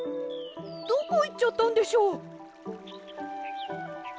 どこいっちゃったんでしょう？